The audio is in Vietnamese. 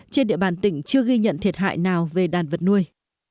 trên địa bàn tỉnh chưa ghi nhận thiệt hại nào về đàn vật nuôi